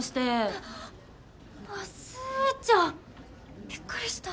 はっ！あっすーちゃんびっくりした。